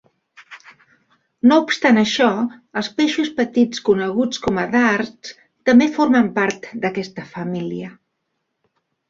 No obstant això, els peixos petits coneguts com a dards també formen part d'aquesta família.